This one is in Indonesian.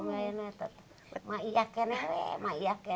saya tidak bisa mengerti apa apa